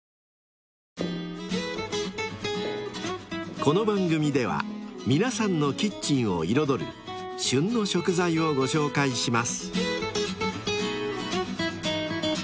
［この番組では皆さんのキッチンを彩る「旬の食材」をご紹介します］